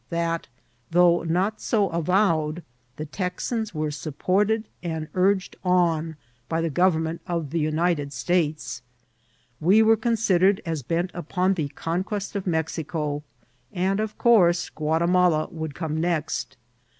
that, though not so avowed, the Texans were support ed and urged on by the government of the United 6tates« We were considered as bent upon the con quest of Mexico; and, of course, Ouatimala would come next.